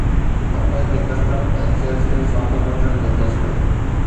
ڪپهه تي custom ۽ sales tax واپس وٺڻ جو فيصلو